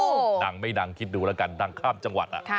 ดังไม่ดังคิดดูแล้วกันดังข้ามจังหวัด